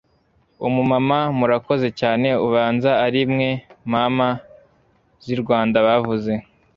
Umumama murakoze cyane ubanza arimwe mama zirwanda bavuze